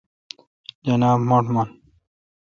جناب-مٹھ من۔